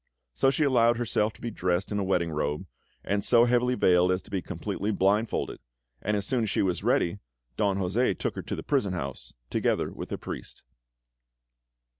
So she allowed herself to be dressed in a wedding robe, and so heavily veiled as to be completely blind folded; and as soon as she was ready, Don José took her to the prison house, together with a priest.